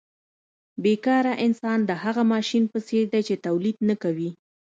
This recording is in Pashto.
بې کاره انسان د هغه ماشین په څېر دی چې تولید نه کوي